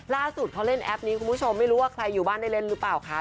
ล่าสุดเขาเล่นแอปนี้คุณผู้ชมไม่รู้ว่าใครอยู่บ้านได้เล่นหรือเปล่าคะ